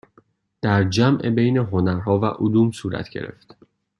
در جمع بین هنرها و علوم صورت گرفت